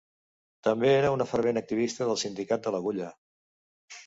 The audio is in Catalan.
També era una fervent activista del Sindicat de l’Agulla.